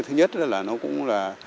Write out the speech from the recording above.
thứ nhất là nó cũng là